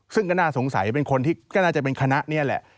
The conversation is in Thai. ซึ่งก็น่าสงสัยเป็นคนที่ก็น่าจะเป็นคณะนี้แหละ